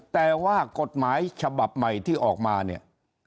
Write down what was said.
แต่ว่ากฎหมายฉบับใหม่ที่ออกมาเนี่ย